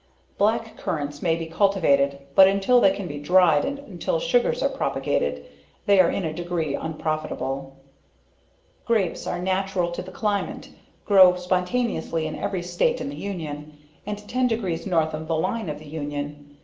Black Currants, may be cultivated but until they can be dryed, and until sugars are propagated, they are in a degree unprofitable. Grapes, are natural to the climate; grow spontaneously in every state in the union, and ten degrees north of the line of the union.